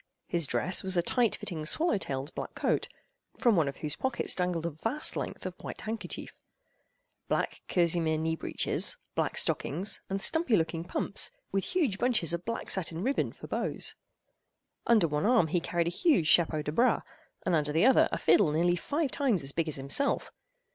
His dress was a tight fitting swallow tailed black coat (from one of whose pockets dangled a vast length of white handkerchief), black kerseymere knee breeches, black stockings, and stumpy looking pumps, with huge bunches of black satin ribbon for bows. Under one arm he carried a huge chapeau de bras, and under the other a fiddle nearly five times as big as himself.